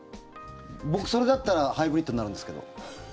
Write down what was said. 僕、それだったらハイブリッドになるんですけど。